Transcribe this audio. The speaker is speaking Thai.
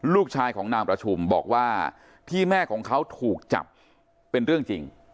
ลูกชายของนางประชุมบอกว่าที่แม่ของเขาถูกจับเป็นเรื่องจริง